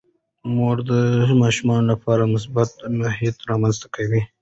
مور د ماشومانو لپاره مثبت محیط رامنځته کوي.